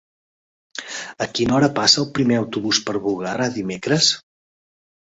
A quina hora passa el primer autobús per Bugarra dimecres?